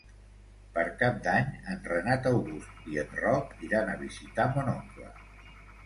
Per Cap d'Any en Renat August i en Roc iran a visitar mon oncle.